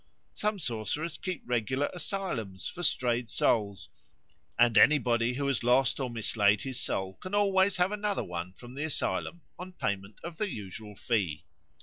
Some sorcerers keep regular asylums for strayed souls, and anybody who has lost or mislaid his own soul can always have another one from the asylum on payment of the usual fee.